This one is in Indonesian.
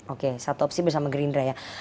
oke satu opsi bersama gerindra ya